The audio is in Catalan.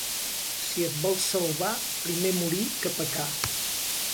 Si et vols salvar, primer morir que pecar.